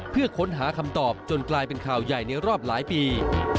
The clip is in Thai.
เพื่อค้นหาคำตอบจนกลายเป็นข่าวใหญ่ในรอบหลายปี